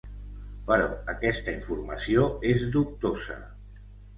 Però aquesta informació és dubtosa.